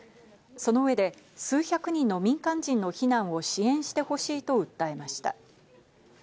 その上で数百人の民間人の避難を支援してほしいと訴えました。